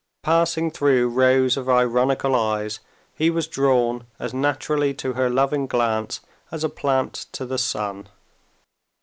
Passing through rows of ironical eyes, he was drawn as naturally to her loving glance as a plant to the sun.